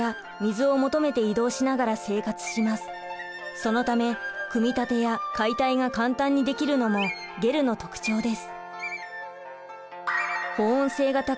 そのため組み立てや解体が簡単にできるのもゲルの特徴です。